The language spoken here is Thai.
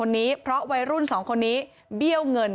ในรุ่นสองคนนี้เบี้ยวเงิน